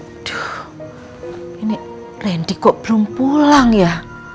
udah ini randy kok belum pulang ya